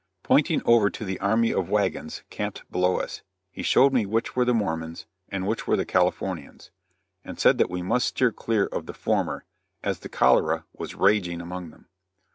Pointing over to the army of wagons camped below us, he showed me which were the Mormons' and which were the Californians', and said that we must steer clear of the former as the cholera was raging among them.